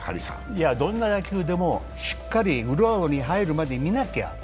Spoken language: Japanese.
どんな野球でもしっかりグローブに入るまで見なきゃ。